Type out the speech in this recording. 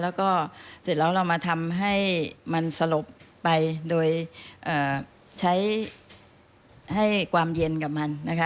แล้วก็เสร็จแล้วเรามาทำให้มันสลบไปโดยใช้ให้ความเย็นกับมันนะคะ